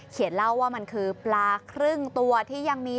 เล่าว่ามันคือปลาครึ่งตัวที่ยังมี